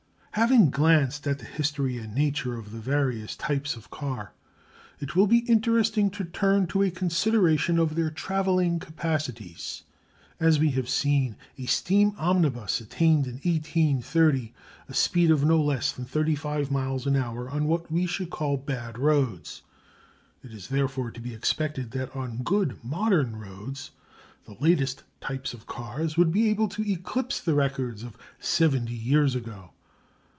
Having glanced at the history and nature of the various types of car, it will be interesting to turn to a consideration of their travelling capacities. As we have seen, a steam omnibus attained, in 1830, a speed of no less than thirty five miles an hour on what we should call bad roads. It is therefore to be expected that on good modern roads the latest types of car would be able to eclipse the records of seventy years ago.